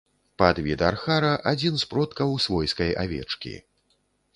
Падвід архара, адзін з продкаў свойскай авечкі.